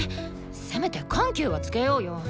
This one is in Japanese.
せめて緩急はつけようよ。